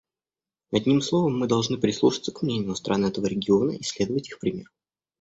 Одним словом, мы должны прислушаться к мнению стран этого региона и следовать их примеру.